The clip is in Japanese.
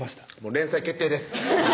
連載決定です